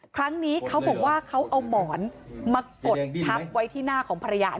ครั้งนี้เขาบอกว่าเขาเอาหมอนมากดทับไว้ที่หน้าของภรรยา